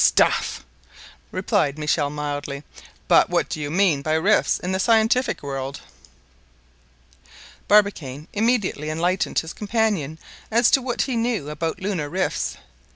stuff!" replied Michel mildly; "but what do you mean by 'rifts' in the scientific world?" Barbicane immediately enlightened his companion as to what he knew about lunar rifts.